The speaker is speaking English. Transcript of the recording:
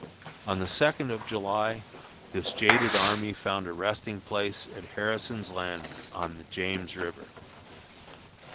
On the second of July this jaded army found a resting place at Harrison's Landing on the James River.